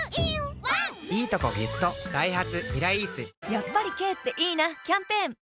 やっぱり軽っていいなキャンペーン